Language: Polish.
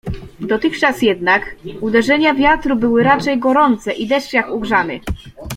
Dotychczas jednak uderzenia wiatru były raczej gorące i deszcz jak ugrzany.